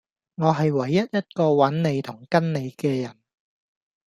我係唯一一個搵你同跟你既人